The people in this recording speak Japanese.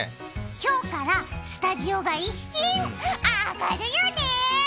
今日からスタジオが一新、明るいよね。